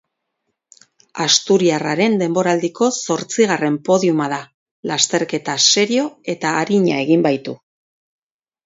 Asturiarraren deboraldiko zortzigarren podiuma da, lasterketa serio eta arina egin baitu.